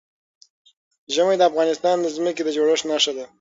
ژمی د افغانستان د ځمکې د جوړښت نښه ده.